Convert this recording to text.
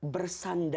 bersandar kan ya